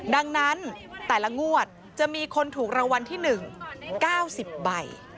ดังนั้นแต่ละงวดจะมีคนถูกรางวัลที่๑๙๐ใบ